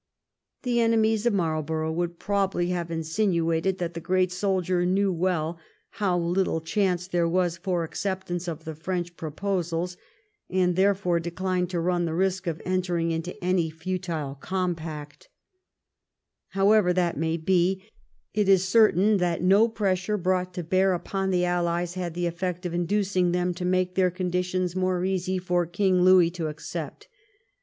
The enemies of Marlborough would probablj have insinuated that the great soldier knew well how little chance there was for acceptance of the French proposals, and therefore de clined to run the risk of entering into any such futile compact However that may be, it is certain that no pressure brought to bear upon the allies had the effect of in ducing them to make their conditions more easy for King Louis to accept.